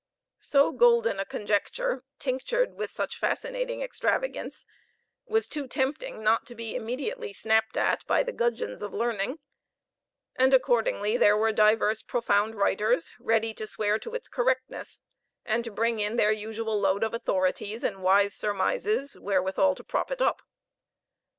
So golden a conjecture, tinctured with such fascinating extravagance, was too tempting not to be immediately snapped at by the gudgeons of learning; and, accordingly, there were divers profound writers ready to swear to its correctness, and to bring in their usual load of authorities and wise surmises, wherewithal to prop it up.